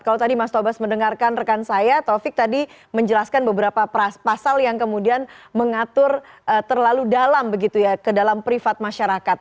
kalau tadi mas tobas mendengarkan rekan saya taufik tadi menjelaskan beberapa pasal yang kemudian mengatur terlalu dalam begitu ya ke dalam privat masyarakat